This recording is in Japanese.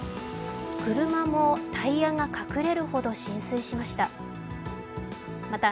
車もタイヤが隠れるほど浸水しました。